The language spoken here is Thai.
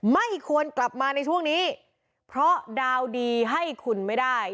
ไม่ควรกลับมาในช่วงนี้เพราะดาวดีให้คุณไม่ได้